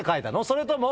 それとも。